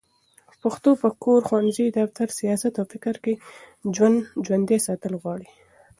پښتو په کور، ښوونځي، دفتر، سیاست او فکر کې ژوندي ساتل غواړي